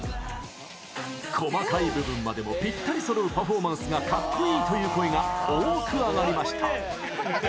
細かい部分までもぴったりそろうパフォーマンスがかっこいいという声が多く上がりました。